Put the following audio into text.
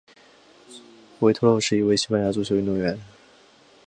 维托洛是一位西班牙足球运动员。